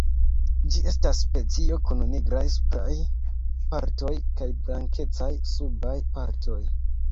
Ĝi estas specio kun nigraj supraj partoj kaj blankecaj subaj partoj.